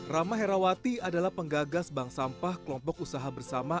rama herawati adalah penggagas bank sampah kelompok usaha bersama